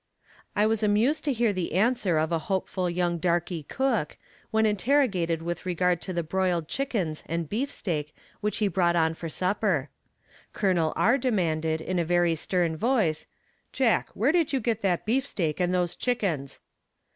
I was amused to hear the answer of a hopeful young darkey cook, when interrogated with regard to the broiled chickens and beef steak which he brought on for supper. Col. R. demanded, in a very stern voice, "Jack, where did you get that beef steak and those chickens?"